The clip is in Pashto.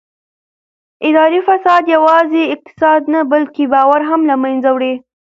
اداري فساد یوازې اقتصاد نه بلکې باور هم له منځه وړي